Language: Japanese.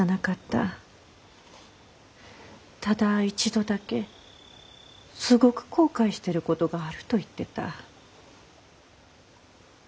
ただ一度だけすごく後悔してることがあると言ってた。